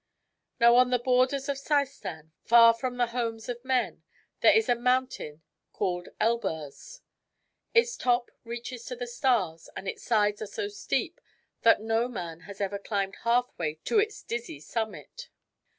Now on the borders of Seistan, far from the homes of men, there is a mountain called Elburz. Its top reaches to the stars, and its sides are so steep that no man has ever climbed halfway to its dizzy summit.